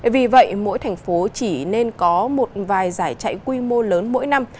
vì vậy mỗi thành phố chỉ nên có một vài giải chạy quy mô lớn mỗi năm